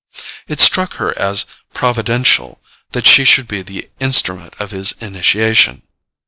It struck her as providential that she should be the instrument of his initiation.